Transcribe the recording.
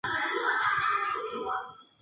听到这消息